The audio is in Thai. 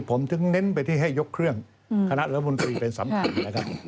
ผมถึงเน้นไปที่ให้ยกเครื่องคณะรัฐมนตรีเป็นสำคัญนะครับ